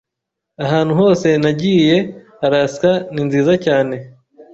Ahantu hose nagiye, Alaska ninziza cyane.